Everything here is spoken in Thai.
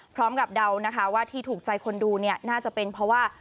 พร้อมกับเดานะคะว่าที่ถูกใจคนดูน่าจะเป็นเพราะว่า